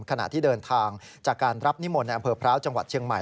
ขณะที่เดินทางจากการรับนิมนต์ในอำเภอพร้าวจังหวัดเชียงใหม่